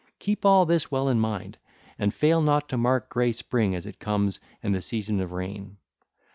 Keep all this well in mind, and fail not to mark grey spring as it comes and the season of rain.